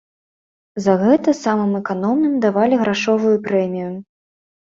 За гэта самым эканомным давалі грашовую прэмію.